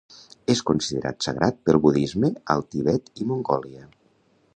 És considerat sagrat pel budisme al Tibet i Mongòlia.